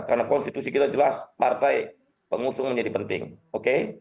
karena konstitusi kita jelas partai pengusung menjadi penting oke